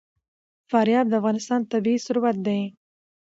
فاریاب د افغانستان طبعي ثروت دی.